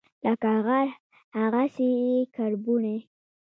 لکه غر، هغسي یې کربوڼی